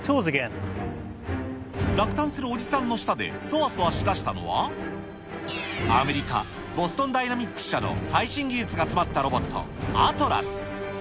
落胆したおじさんの下で、そわそわしだしたのは、アメリカ、ボストンダイナミックス社の最新技術が詰まったロボット、アトラス。